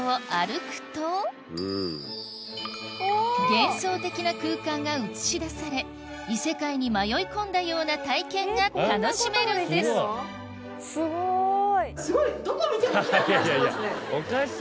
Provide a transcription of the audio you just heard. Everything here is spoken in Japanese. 幻想的な空間が映し出され異世界に迷い込んだような体験が楽しめるんですすごい！